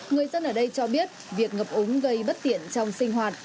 người dân ở đây cho biết việc ngập úng gây bất tiện trong sinh hoạt